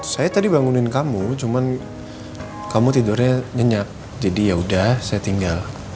saya tadi bangunin kamu cuman kamu tidurnya nyenyak jadi yaudah saya tinggal